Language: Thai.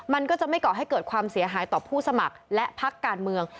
มันก็จะไม่ก่อให้เกิดความเสียหายต่อผู้สมัครและพักการเมือง